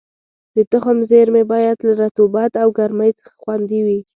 د تخم زېرمې باید له رطوبت او ګرمۍ څخه خوندي وي.